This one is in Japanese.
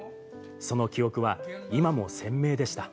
その記憶は、今も鮮明でした。